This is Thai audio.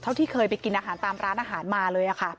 ที่เคยไปกินอาหารตามร้านอาหารมาเลย